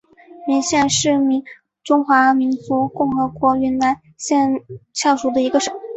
云县是中华人民共和国云南省临沧市下属的一个县。